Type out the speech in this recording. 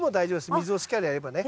水をしっかりやればね。